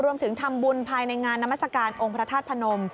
รวมถึงทำบุญภายในงานนามัศกาลองค์พระธาตุพนม